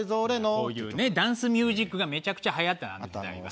こういうねダンスミュージックがめちゃくちゃはやったのあの時代は。